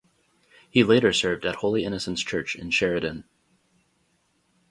He later served at Holy Innocents Church in Sheraden.